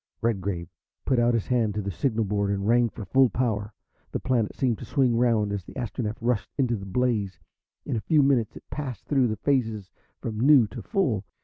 Redgrave put out his hand to the signal board and rang for full power. The planet seemed to swing round as the Astronef rushed into the blaze. In a few minutes it passed through the phases from "new" to "full."